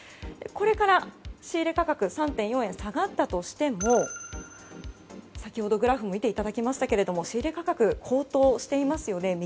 これから仕入れ価格が３．４円下がったとしても先ほどグラフも見ていただきましたが仕入れ価格が高騰していますよね